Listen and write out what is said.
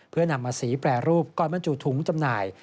เพื่อนำมาสีแปรรูปก่อนบรรจุถุงจำหน่าย